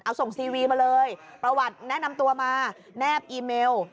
เอาส่งซีวีมาเลยประวัติแนะนำตัวมาแนบอีเมล